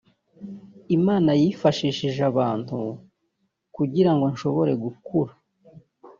Imana yifashishije abantu kugira ngo nshobore gukura